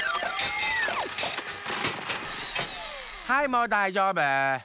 ハイもうだいじょうぶ！